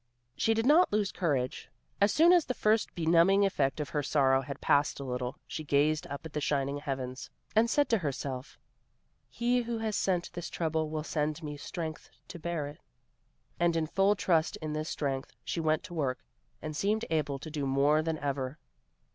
She did not lose courage. As soon as the first benumbing effect of her sorrow had passed a little, she gazed up at the shining heavens and said to herself, "He who has sent this trouble will send me strength to bear it;" and in full trust in this strength she went to work, and seemed able to do more than ever.